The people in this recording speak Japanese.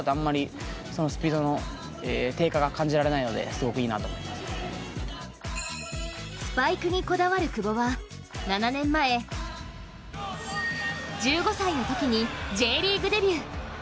実際に履いてみた感想はスパイクにこだわる久保は７年前、１５歳のときに、Ｊリーグデビュー。